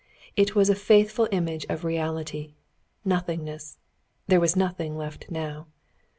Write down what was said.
It was a faithful image of reality: nothingness. There was nothing left now.